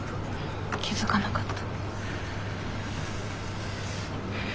気付かなかった。